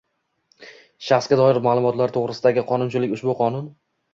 Shaxsga doir ma’lumotlar to‘g‘risidagi qonunchilik ushbu Qonun